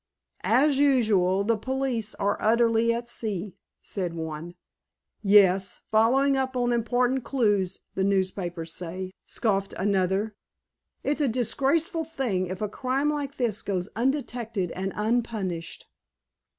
"As usual, the police are utterly at sea," said one. "Yes, 'following up important clews,' the newspapers say," scoffed another. "It's a disgraceful thing if a crime like this goes undetected and unpunished."